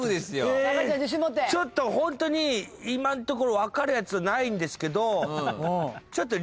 ちょっとホントに今んところ分かるやつないんですけどちょっと。